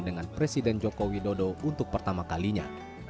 dengan presiden jokowi dodo untuk pertama kalinya